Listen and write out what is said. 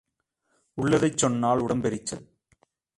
உள்ளதைச் சொன்னால் உடம்பெரிச்சல்.